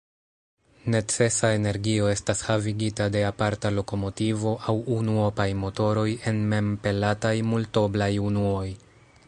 Necesa energio estas havigita de aparta lokomotivo aŭ unuopaj motoroj en mem-pelataj multoblaj unuoj.